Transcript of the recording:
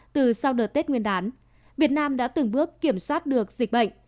từ sau đợt tết nguyên đán việt nam đã từng bước kiểm soát được dịch bệnh